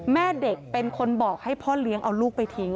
แม่เด็กเป็นคนบอกให้พ่อเลี้ยงเอาลูกไปทิ้ง